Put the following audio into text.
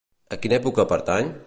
A quina època pertany?